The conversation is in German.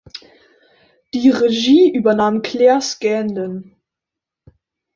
Die Regie übernahm Claire Scanlon.